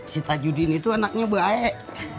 si tajudin itu anaknya baik